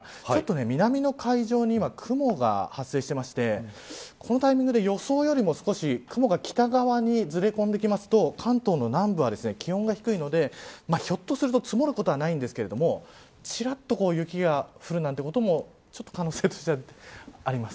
クリスマス晴れのクリスマスになるんですが南の海上には雲が発生していてこのタイミングで予想よりも少し雲が北側にずれ込んでくると関東の南部は気温が低いのでひょっとすると積もることはないんですけれどもちらっと雪が降るなんてことも可能性としてはあります。